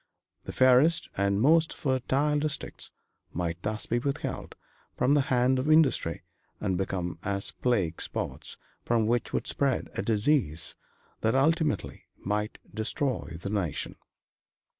The fairest and most fertile districts might thus be withheld from the hand of industry and become as plague spots, from which would spread a disease that ultimately might destroy the nation.